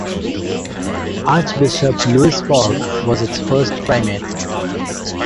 Archbishop Louis Falk was its first primate.